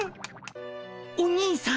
お兄さん。